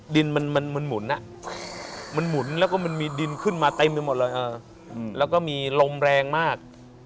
ดินมันหมุนมันหมุนแล้วก็มันมีดินขึ้นมาเต็มไปหมดเลยแล้วก็มีลมแรงมาก